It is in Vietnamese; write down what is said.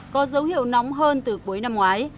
có dấu hiệu nóng hơn từ cuối năm ngoái